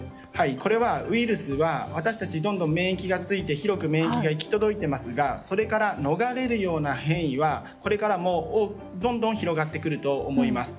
ウイルスは私たち、どんどん免疫がついて広く免疫が行き届いていますがそれから逃れるような変異はこれからもどんどん広がってくると思います。